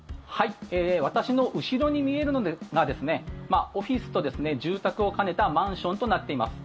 私の後ろに見えるのがオフィスと住宅を兼ねたマンションとなっています。